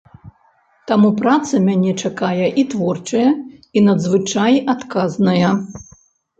Таму праца мяне чакае і творчая, і надзвычай адказная.